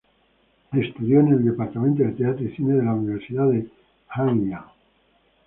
Estudió en el departamento de teatro y cine de la Universidad de Hanyang.